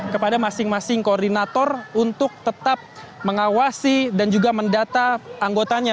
kepada masing masing koordinator untuk tetap mengawasi dan juga mendata anggotanya